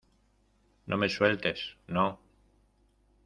no me sueltes. no .